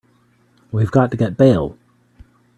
We've got to get bail.